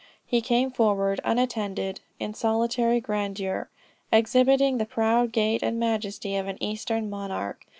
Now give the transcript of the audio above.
He came forward, unattended in solitary grandeur exhibiting the proud gait and majesty of an eastern monarch.